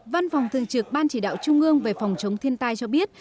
văn phòng thường trực ban chỉ đạo trung ương về phòng chống thiên tai cho biết